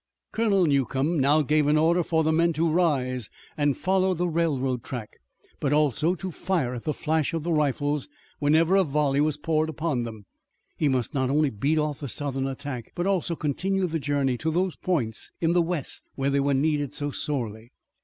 Colonel Newcomb now gave an order for the men to rise and follow the railroad track, but also to fire at the flash of the rifles whenever a volley was poured upon them. He must not only beat off the Southern attack, but also continue the journey to those points in the west where they were needed so sorely.